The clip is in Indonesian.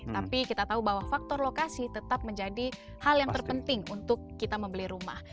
tapi kita tahu bahwa faktor lokasi tetap menjadi hal yang terpenting untuk kita membeli rumah